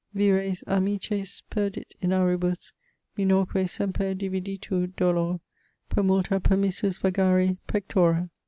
Vires amicis perdit in auribus, Minorque semper dividitur dolor, Per multa permissus vagari Pectora.